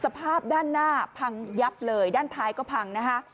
สภาพด้านหน้าพังยับเลยด้านท้ายก็พังนะคะ